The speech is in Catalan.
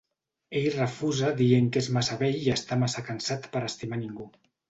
Ell refusa dient que és massa vell i està massa cansat per estimar ningú.